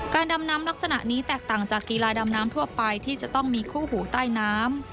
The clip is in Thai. ดำน้ำลักษณะนี้แตกต่างจากกีฬาดำน้ำทั่วไปที่จะต้องมีคู่หูใต้น้ำ